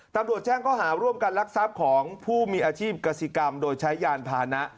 ตำรวจแจ้งข้อหาร่วมกันลักทรัพย์ของผู้มีอาชีพกษิกรรมโดยใช้ยานพานะ